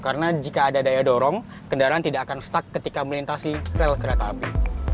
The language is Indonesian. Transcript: karena jika ada daya dorong kendaraan tidak akan stuck ketika melintasi rel kereta api